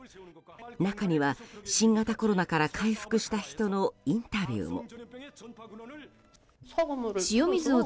中には、新型コロナから回復した人のインタビューも。